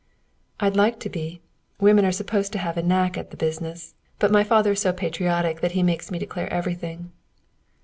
"I'd like to be. Women are supposed to have a knack at the business; but my father is so patriotic that he makes me declare everything."